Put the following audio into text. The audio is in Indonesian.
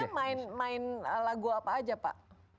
ini main lagu apa aja pak